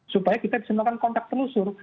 supaya kita bisa melakukan kontak telusur